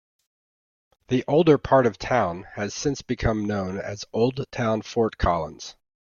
The older part of town has since become known as Old Town Fort Collins.